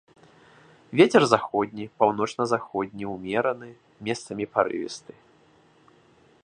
Вецер заходні, паўночна-заходні ўмераны, месцамі парывісты.